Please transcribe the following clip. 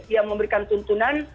yang memberikan tuntunan